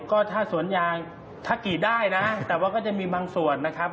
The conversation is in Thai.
ก็ถ้าสวนยางถ้ากรีดได้นะแต่ว่าก็จะมีบางส่วนนะครับ